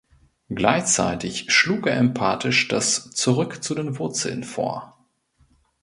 Gleichzeitig schlug er emphatisch das „Zurück zu den Wurzeln“ vor.